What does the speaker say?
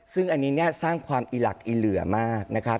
ซึ่งอันนี้เนี่ยสร้างความอีหลักอีเหลือมากนะครับ